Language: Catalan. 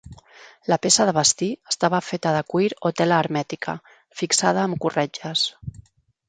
La peça de vestir estava feta de cuir o tela hermètica, fixada amb corretges.